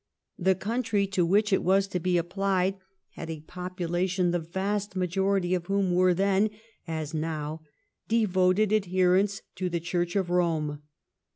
The country to which it was to be applied had a population the vast majority of whom were then, as now, devoted adherents to the Church of Kome.